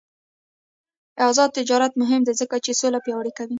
آزاد تجارت مهم دی ځکه چې سوله پیاوړې کوي.